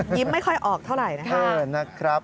ยิ้มไม่ค่อยออกเท่าไรนะครับ